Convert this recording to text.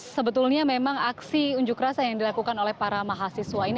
sebetulnya memang aksi unjuk rasa yang dilakukan oleh para mahasiswa ini